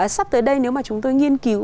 sắp tới đây nếu mà chúng tôi nghiên cứu